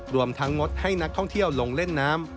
รวมทั้งงดให้นักท่องเที่ยวลงเล่นน้ำ